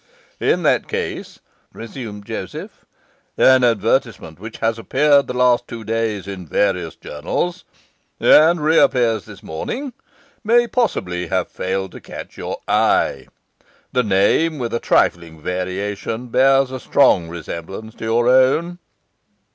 'In that case,' resumed Joseph, 'an advertisement which has appeared the last two days in various journals, and reappears this morning, may possibly have failed to catch your eye. The name, with a trifling variation, bears a strong resemblance to your own.